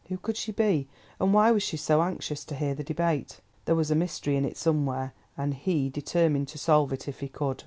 Who could she be? and why was she so anxious to hear the debate? There was a mystery in it somewhere, and he determined to solve it if he could.